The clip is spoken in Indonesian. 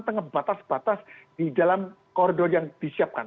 tengah batas batas di dalam koridor yang disiapkan